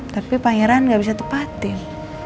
tapi pangeran gak bisa tepatin